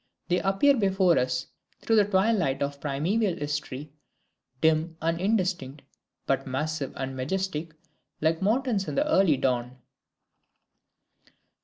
They appear before us through the twilight of primeval history, dim and indistinct, but massive and majestic, like mountains in the early dawn.